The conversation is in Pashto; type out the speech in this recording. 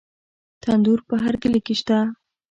تندور په هر کلي کې شته.